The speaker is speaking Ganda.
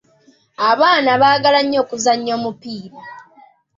Abaana baagala nnyo okuzannya omupiira.